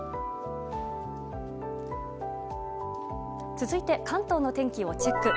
続いて、関東の天気をチェック。